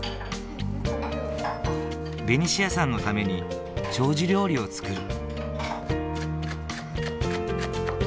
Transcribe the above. ベニシアさんのために長寿料理を作る。